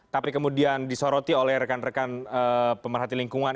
tapi kemudian disoroti oleh rekan rekan pemerhati lingkungan